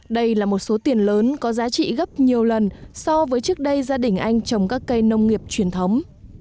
đây là một số tiền lớn có giá trị gấp nhiều lần so với trước đây gia đình anh trồng các cây nông nghiệp truyền thống